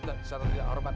seorang yang hormat